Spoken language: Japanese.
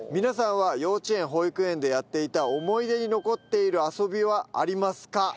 皆さんは幼稚園保育園でやっていた思い出に残っている遊びはありますか？